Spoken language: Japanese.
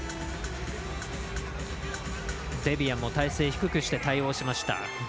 デビアンも体勢を低くして対応しました。